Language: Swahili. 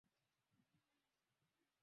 laki tatu na elfu ishirini na nne